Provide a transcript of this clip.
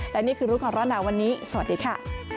และนี่คือรู้ก่อนร้อนหนาวันนี้สวัสดีค่ะ